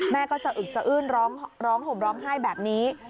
แม่ก็สะอึกสะอื้นร้องห่มร้องไห้แบบนี้